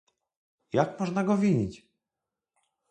Jak można go winić?